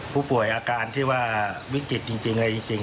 ผู้ป่วยอาการที่ว่าวิกฤตจริงอะไรจริง